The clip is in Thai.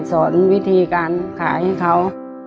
สอนวิธีการขายให้เขา